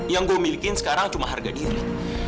yang gue milikin sekarang cuma harga diri